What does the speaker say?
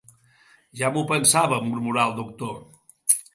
Ja m'ho pensava –murmurà el doctor.